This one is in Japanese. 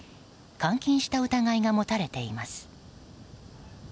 監禁した疑いが持たれています。